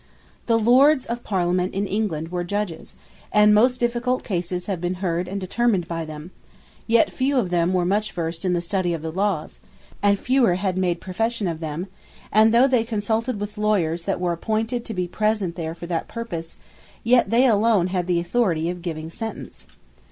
The Lords of Parlament in England were Judges, and most difficult causes have been heard and determined by them; yet few of them were much versed in the study of the Lawes, and fewer had made profession of them: and though they consulted with Lawyers, that were appointed to be present there for that purpose; yet they alone had the authority of giving Sentence.